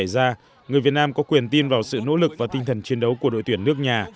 tuy nhiên trong bóng đá người việt nam có quyền tin vào sự nỗ lực và tinh thần chiến đấu của đội tuyển nước nhà